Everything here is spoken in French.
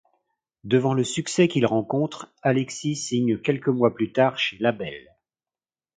Devant le succès qu'il rencontre, Alexis signe quelques mois plus tard chez Labels.